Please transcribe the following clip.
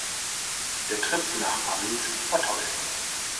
Der Trip nach Paris war toll.